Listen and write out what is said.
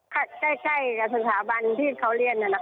ใกล้กับสถาบันที่เขาเรียนนี่นะคะ